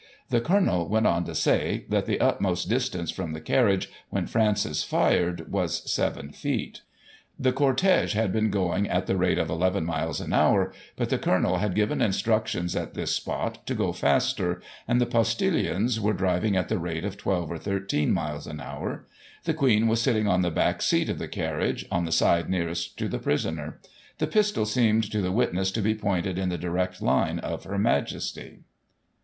The Colonel went on to say that the utmost distance from the carriage, when Francis fired, was seven feet. The corttge had been going at the rate of eleven miles an hour ; b^it the Colonel had given instructions at this spot, to go faster, and the postillions were driving at the rate of twelve or thirteen Digiti ized by Google 1842] QUEEN SHOT AT. 191 miles an hour. The Queen was sitting on the back seat of the carriage, on the side nearest to the prisoner. The pistol seemed to the witness to be pointed in the direct line of Her Majesty."